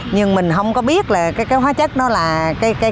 nhưng mình không có biết là cái hóa chất đó là cái gì